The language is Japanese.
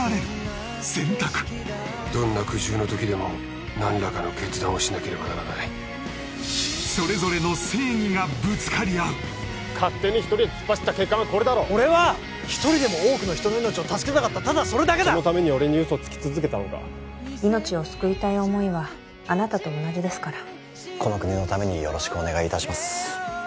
どんな苦渋のときでも何らかの決断をしなければならない勝手に１人で突っ走った結果がこれだろ俺は１人でも多くの人の命を助けたかったただそれだけだそのために俺に嘘つき続けたのか命を救いたい思いはあなたと同じですからこの国のためによろしくお願いいたします